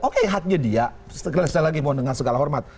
oke haknya dia sekali lagi mohon dengan segala hormat